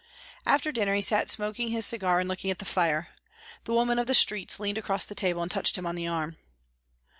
After dinner he sat smoking his cigar and looking at the fire. The woman of the streets leaned across the table and touched him on the arm.